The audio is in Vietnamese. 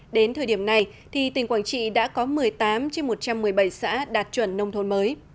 đến thời điểm này thì tỉnh quảng trị đã có một mươi tám trên một trăm một mươi bảy xã đạt chuẩn nông thôn mới